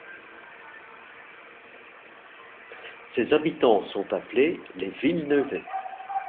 Ses habitants sont appelés les Villeneuvais.